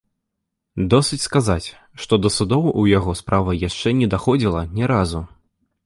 Досыць сказаць, што да судоў у яго справа яшчэ не даходзіла ні разу.